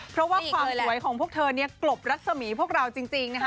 เพราะว่าความสวยของพวกเธอเนี่ยกลบรัศมีพวกเราจริงนะคะ